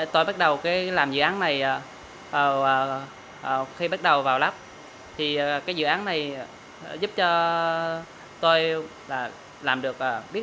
tôi bắt đầu làm dự án này khi bắt đầu vào lớp thì cái dự án này giúp cho tôi là làm được biết